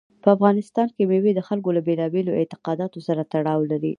په افغانستان کې مېوې د خلکو له بېلابېلو اعتقاداتو سره تړاو لري.